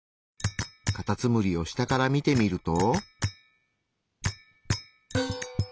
カタツムリを下から見てみると。